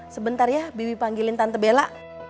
sebentar ya bibi panggilin tante bela